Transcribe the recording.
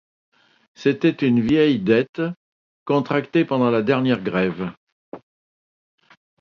C’était une vieille dette, contractée pendant la dernière grève.